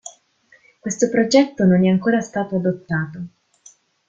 Questo progetto non è ancora stato adottato.